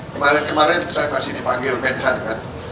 kemarin kemarin saya kasih dipanggil menangkan